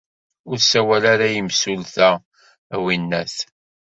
Ur sawal-ara i yimsulta, a winna-t.